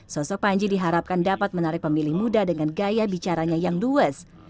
sosok panji diharapkan dapat menarik pemilih muda dengan gaya bicaranya yang dues